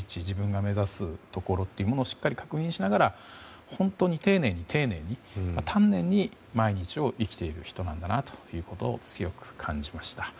自分が目指すところというものをしっかり確認しながら本当に丁寧に、丁寧に丹念に毎日を生きている人なんだなというのを強く感じました。